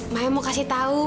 mai mau kasih tahu